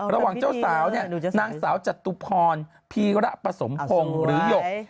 ระหว่างเจ้าสาวเนี่ยนางสาวจตุพรพีระปสมพงศ์หรือหยก